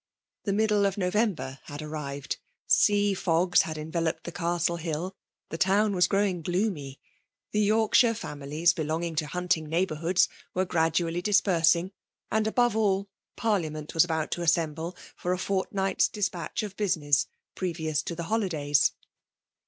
The middle of November had arrived ; sea fogs had enveloped the Castle Hill ; the town was growing gloomy ; the York shire families belonging to hunting neighbour hoods, were gradually dispersing ; and above all. Parliament was about to assemble for a fortnight's despatch of business,^ previous to the holidays.